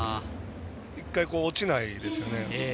落ちないですよね。